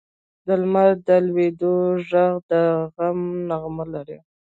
د لمر د لوېدو ږغ د غم نغمه لري.